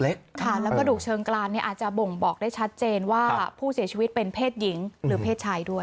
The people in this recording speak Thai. แล้วกระดูกเชิงกรานเนี่ยอาจจะบ่งบอกได้ชัดเจนว่าผู้เสียชีวิตเป็นเพศหญิงหรือเพศชายด้วย